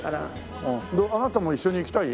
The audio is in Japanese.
あなたも一緒に行きたい？